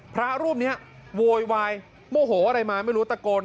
พระรูปนี้โวยวายโมโหอะไรมาไม่รู้ตะโกน